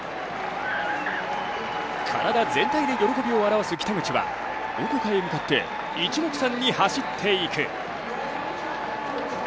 体全体で喜びを表す北口はどこかへ向かっていちもくさんに走っていく。